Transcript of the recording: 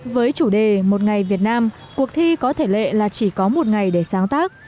với chủ đề một ngày việt nam cuộc thi có thể lệ là chỉ có một ngày để sáng tác